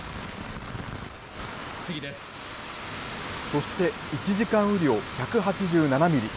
そして１時間雨量１８７ミリ。